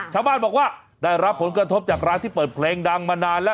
ชาวบ้านบอกว่าได้รับผลกระทบจากร้านที่เปิดเพลงดังมานานแล้ว